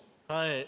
はい。